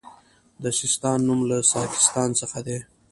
د سیستان نوم له ساکستان څخه دی